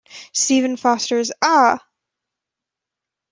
Stephen Foster's Ah!